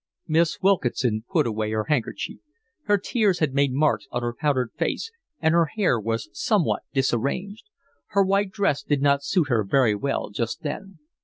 Miss Wilkinson put away her handkerchief. Her tears had made marks on her powdered face, and her hair was somewhat disarranged. Her white dress did not suit her very well just then.